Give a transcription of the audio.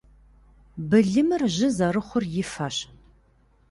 Былымыр жьы зэрыхъур и фэщ.